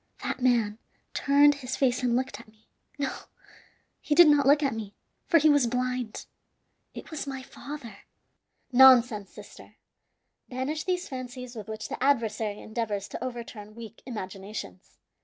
That man turned his face and looked at me no, he did not look at me, for he was blind. It was my father!" "Nonsense, sister! Banish these fancies with which the adversary endeavors to overturn weak imaginations.